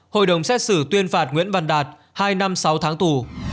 hội đồng xét xử tuyên phạt nguyễn văn đạt hai năm sáu tháng tù